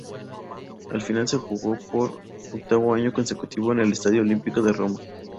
La final se jugó por octavo año consecutivo en el Estadio Olímpico de Roma.